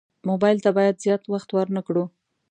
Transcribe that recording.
موبایل ته باید زیات وخت ورنه کړو.